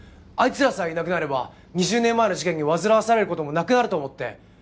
アイツらさえいなくなれば２０年前の事件に煩わされることもなくなると思って。